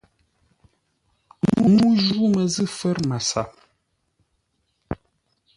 Ŋuu ju məzʉ̂ fə̌r MASAP.